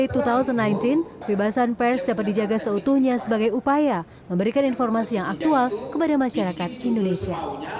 kebebasan pers dapat dijaga seutuhnya sebagai upaya memberikan informasi yang aktual kepada masyarakat indonesia